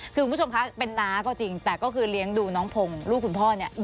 คือคุณผู้ชมคะเป็นน้าก็จริงแต่ก็คือเลี้ยงดูน้องพงศ์ลูกคุณพ่อเนี่ย